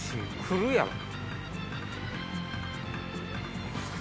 来るやろ。